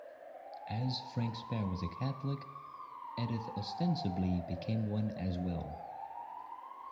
As Frank Spare was a Catholic, Edith ostensibly became one as well.